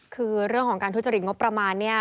คือเรื่องของการทุจริตงบประมาณเนี่ย